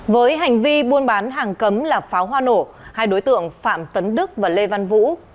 với hành vi buôn bán hàng cấm là pháo hoa nổ hai đối tượng phạm tấn đức và lê văn vũ